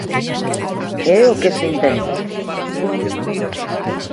¿Que é o que se intenta?